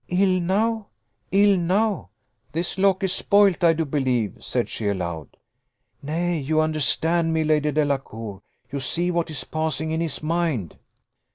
"Ill now? ill now? This lock is spoilt, I do believe," said she aloud. "Nay, you understand me, Lady Delacour! You see what is passing in his mind."